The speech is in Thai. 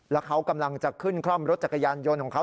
แล้วเขากำลังจะขึ้นคล่อมรถจักรยานยนต์ของเขา